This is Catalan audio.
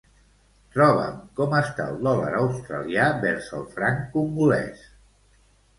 Troba'm com està el dòlar australià vers el franc congolès.